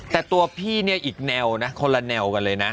แต่ตัวพี่เนี่ยอีกแนวนะคนละแนวกันเลยนะ